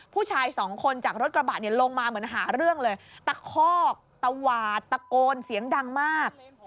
ผู้ชายสองคนจากรถกระบะเนี่ยลงมาเหมือนหาเรื่องเลยตะคอกตวาดตะโกนเสียงดังมาก